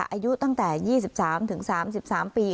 อายุตั้งแต่๒๓๓ปี